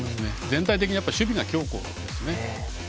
全体的に守備が強固ですね。